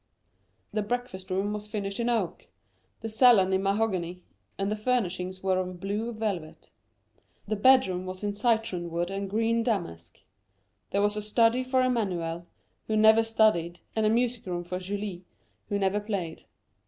The breakfast room was finished in oak; the salon in mahogany, and the furnishings were of blue velvet; the bedroom was in citronwood and green damask. There was a study for Emmanuel, who never studied, and a music room for Julie, who never played.